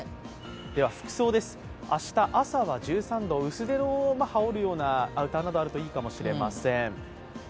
服装です、明日朝は１３度薄手の、羽織るようなアウターなどあるといいかもしれません。